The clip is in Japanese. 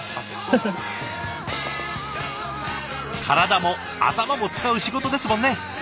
体も頭も使う仕事ですもんね。